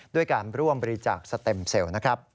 ด้วยการร่วมบริจาคสเต็มเซล